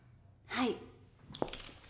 はい。